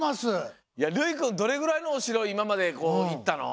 いやるいくんどれぐらいのお城いままで行ったの？